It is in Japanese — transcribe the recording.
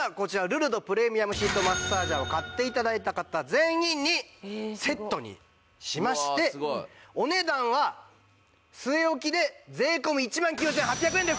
ルルドプレミアムシートマッサージャーを買って頂いた方全員にセットにしましてお値段は据え置きで税込１万９８００円です。